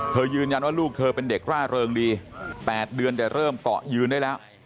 ยืนยันว่าลูกเธอเป็นเด็กร่าเริงดี๘เดือนแต่เริ่มเกาะยืนได้แล้ว